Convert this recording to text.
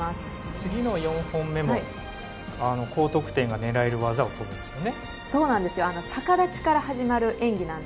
次の４本目も高得点が狙える技を取るんですよね。